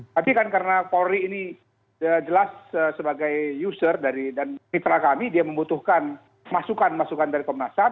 tapi kan karena polri ini jelas sebagai user dari dan mitra kami dia membutuhkan masukan masukan dari komnas ham